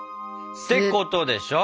てことでしょ？